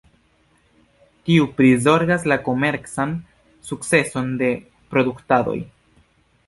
Tiu prizorgas la komercan sukceson de produktadoj.